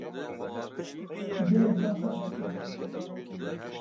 Dilê xwe xweş bike.